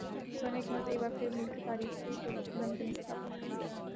سونے کی قیمت ایک بار پھر ملکی تاریخ کی بلند ترین سطح پر